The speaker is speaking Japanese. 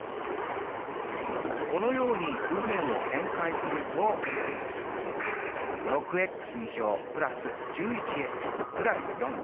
このように右辺を展開すると６＋１１＋４。